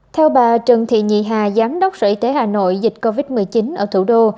theo bà trần thị nhị hà giám đốc sở y tế hà nội dịch covid một mươi chín ở thủ đô